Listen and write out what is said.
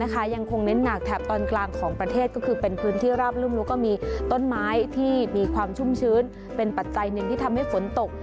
ยังคงเน้นหนักแถบตอนกลางของประเทศก็คือเป็นพื้นที่ราบรุ่มแล้วก็มีต้นไม้ที่มีความชุ่มชื้นเป็นปัจจัยหนึ่งที่ทำให้ฝนตก